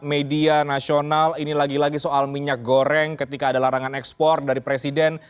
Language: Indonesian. media nasional ini lagi lagi soal minyak goreng ketika ada larangan ekspor dari presiden